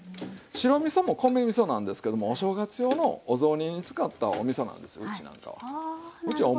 白みそも米みそなんですけどもお正月用のお雑煮に使ったおみそなんですようちなんかは。